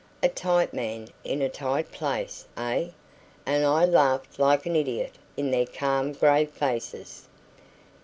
A tight man in a tight place, eh?" and I laughed like an idiot in their calm grave faces.